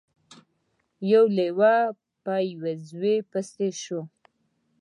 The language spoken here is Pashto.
یو لیوه په یوې وزې پسې شو.